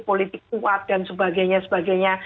politik kuat dan sebagainya sebagainya